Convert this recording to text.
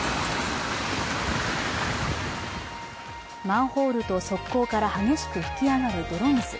マンホールと側溝から激しく噴き上がる泥水。